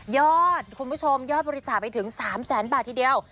คุณผู้ชมยอดบริจาคไปถึง๓แสนบาททีเดียว